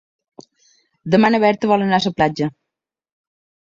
Demà na Berta vol anar a la platja.